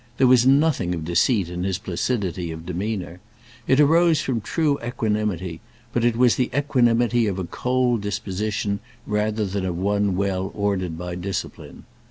There was nothing of deceit in his placidity of demeanour. It arose from true equanimity; but it was the equanimity of a cold disposition rather than of one well ordered by discipline.